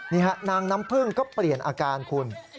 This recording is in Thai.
นี่ฮะนางน้ำพึ่งก็เปลี่ยนอาการคุณ